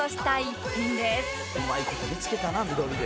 「うまい事見つけたな緑で」